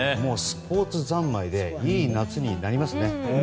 スポーツざんまいでこれからいい夏になりますね。